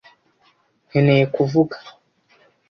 Nkeneye kuvuga?